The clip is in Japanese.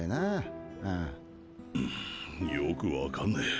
んんよく分かんねぇ。